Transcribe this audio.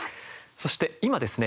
そして、今ですね